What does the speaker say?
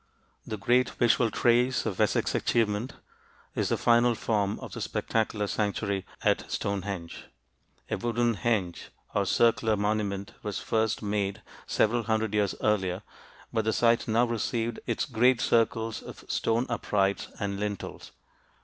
The great visual trace of Wessex achievement is the final form of the spectacular sanctuary at Stonehenge. A wooden henge or circular monument was first made several hundred years earlier, but the site now received its great circles of stone uprights and lintels.